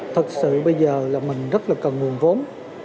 thật sự bây giờ là mình rất là cần nguồn vốn